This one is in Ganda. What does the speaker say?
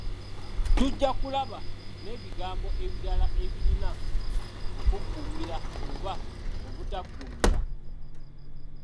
Tujja kulaba n’ebigambo ebirala ebirina okuggumira oba obutaggumira.